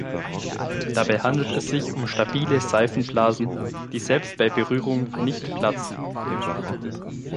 Dabei handelt es sich um stabile Seifenblasen, die selbst bei Berührung nicht platzen.